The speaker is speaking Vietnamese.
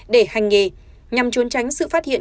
để hành nghề nhằm trốn tránh sự phát hiện